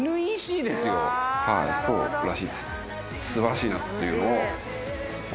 はいそうらしいですね。